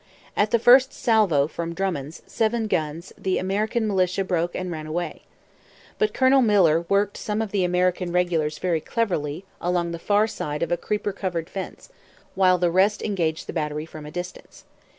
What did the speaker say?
At the first salvo from Drummond's seven guns the American militia broke and ran away. But Colonel Miller worked some of the American regulars very cleverly along the far side of a creeper covered fence, while the rest engaged the battery from a distance.